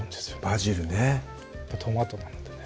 バジルねトマトなのでね